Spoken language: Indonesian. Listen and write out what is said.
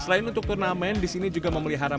selain untuk turnamen disini juga memelihara perjalanan